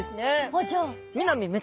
あっじゃあ。